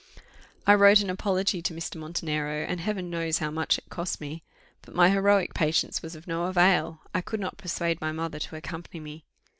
I wrote an apology to Mr. Montenero, and Heaven knows how much it cost me. But my heroic patience was of no avail; I could not persuade my mother to accompany me.